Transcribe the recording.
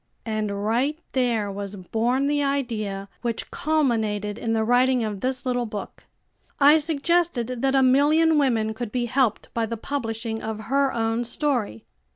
And right there was born the idea which culminated in the writing of this little book. I suggested that a million women could be helped by the publishing of her own story.